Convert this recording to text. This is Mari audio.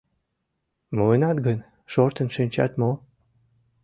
— Муынат гын, шортын шинчат мо?